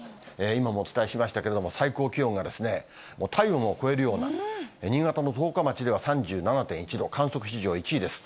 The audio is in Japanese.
今もお伝えしましたけれども、最高気温が体温を超えるような、新潟の十日町では３７．１度、観測史上１位です。